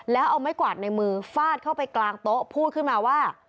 แล้วเอาไม้กวาดในมือฟาดเข้าไปกลางโต๊ะพูดขึ้นมาว่า